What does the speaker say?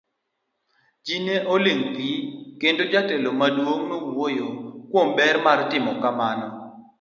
Ji ne oling' thi, kendo jatelo maduong' nowuoyo kuom ber mar timo kamano.